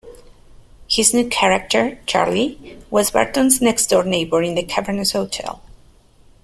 His new character, Charlie, was Barton's next-door neighbor in the cavernous hotel.